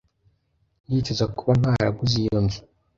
Ndicuza kuba ntaraguze iyo nzu.